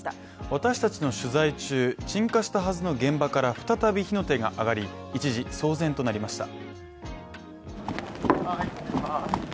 私達の取材中、鎮火したはずの現場から再び火の手が上がり、一時騒然となりました。